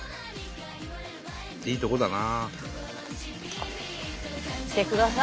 いいとこだな。